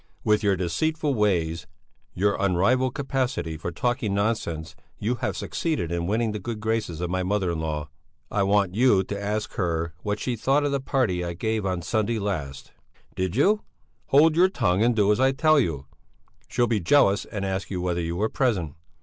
With your deceitful ways, your unrivalled capacity for talking nonsense, you have succeeded in winning the good graces of my mother in law. I want you to ask her what she thought of the party I gave on Sunday last." "Did you...." "Hold your tongue and do as I tell you! She'll be jealous and ask you whether you were present.